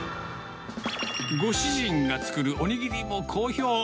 ご主人が作るおにぎりも好評。